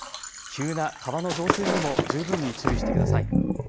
急な川の増水にも十分に注意してください。